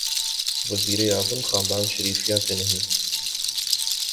وزیر اعظم خاندان شریفیہ سے نہیں۔